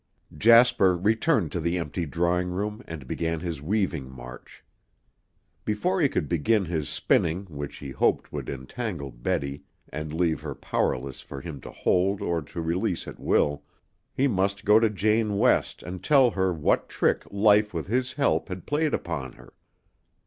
Jasper returned to the empty drawing room and began his weaving march. Before he could begin his spinning which he hoped would entangle Betty and leave her powerless for him to hold or to release at will, he must go to Jane West and tell her what trick life with his help had played upon her.